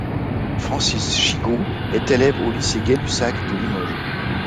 Francis Chigot est élève au lycée Gay-Lussac de Limoges.